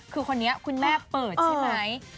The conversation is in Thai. คือคนนี้คุณแม่เปิดใช่ไหม